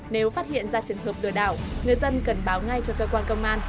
nếu phát hiện ra trường hợp lừa đảo người dân cần báo ngay cho cơ quan công an